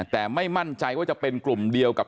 แต่ไม่มั่นใจว่าจะเป็นกลุ่มเดียวกับ